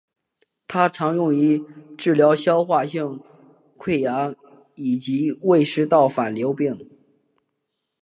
它常用于治疗消化性溃疡以及胃食管反流病。